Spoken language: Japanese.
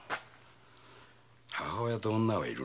母親と女はいるな。